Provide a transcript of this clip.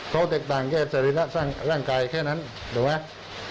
เพราะแตกต่างแค่จริงร่างกายแค่นั้นเห็นไหม